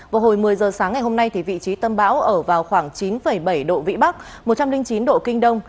vào hồi một mươi giờ sáng ngày hôm nay vị trí tâm bão ở vào khoảng chín bảy độ vĩ bắc một trăm linh chín độ kinh đông